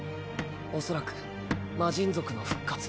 おそらく魔神族の復活。